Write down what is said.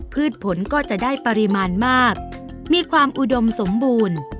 พืชผลก็จะได้ปริมาณมากมีความอุดมสมบูรณ์